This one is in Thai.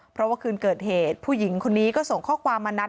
เพราะว่าคืนเกิดเหตุผู้หญิงคนนี้ก็ส่งข้อความมานัด